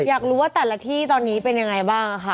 อยากรู้ว่าแต่ละที่ตอนนี้เป็นยังไงบ้างค่ะ